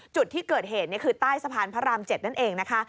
จุดที่เกิดเหตุนี่คือใต้สะพานพระราม๗นั่นเองนะคะ